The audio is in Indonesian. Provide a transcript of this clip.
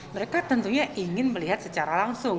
mereka tentunya ingin melihat secara langsung